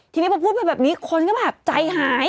ทีนี้พอพูดไปแบบนี้คนก็แบบใจหาย